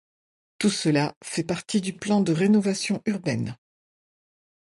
Tout cela fait partie du plan de rénovation urbaine.